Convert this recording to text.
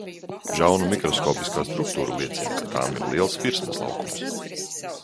Žaunu mikroskopiskā struktūra liecina, ka tām ir liels virsmas laukums.